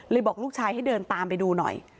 บอกลูกชายให้เดินตามไปดูหน่อย